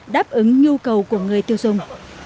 đáp ứng nhu cầu của người tiêu dùng